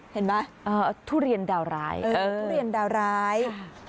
เห็นมั้ยเอ่อทุเรียนดาวร้ายเออทุเรียนดาวร้ายอ่า